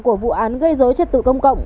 của vụ án gây dối trật tự công cộng